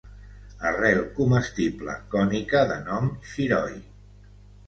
Arrel comestible cònica de nom xiroi.